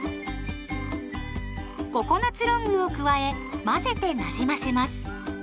ココナツロングを加え混ぜてなじませます。